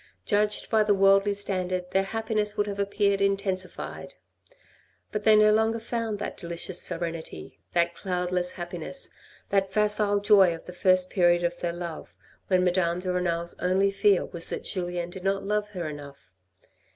Judged by the worldly standard their happiness would have appeared intensified. But they no longer found that delicious serenity, that cloudless happiness, that facile joy of the first period of their love, when Madame de Renal's only fear was that Julien did not love her enough.